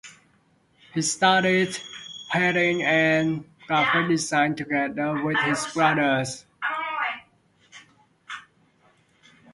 He studied painting and graphic design together with his brothers.